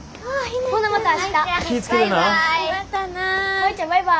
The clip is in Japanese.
舞ちゃんバイバイ。